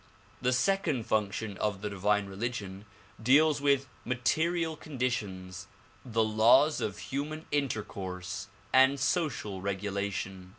The second function of the divine religion deals with material condi tions, the laws of human intercourse and social regulation.